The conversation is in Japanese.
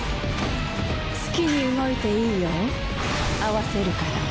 好きに動いていいよ合わせるから。